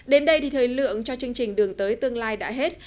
đến đây thì thời lượng cho chương trình đường tới tương lai đã hết